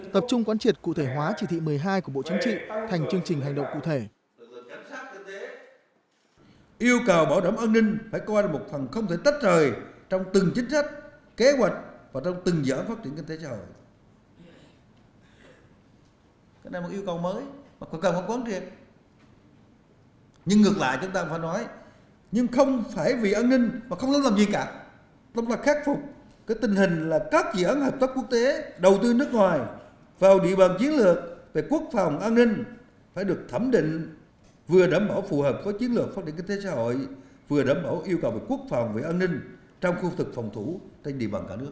tập trung quán triệt cụ thể hóa chỉ thị một mươi hai của bộ chính trị thành chương trình hành động cụ thể